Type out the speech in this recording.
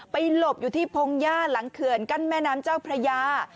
ไปหลบอยู่ที่พงศ์ย่านหลังเกินกั้นแม่น้ำเจ้าพระยา